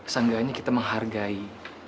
seanggahnya kita menghargai